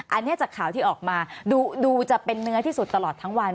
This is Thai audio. อันนี้จากข่าวที่ออกมาดูจะเป็นเนื้อที่สุดตลอดทั้งวัน